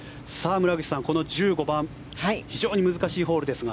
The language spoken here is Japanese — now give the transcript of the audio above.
村口さん、この１５番非常に難しいホールですが。